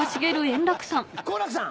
好楽さん。